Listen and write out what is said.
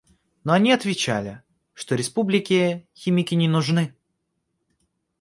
Но они отвечали, что республике химики не нужны.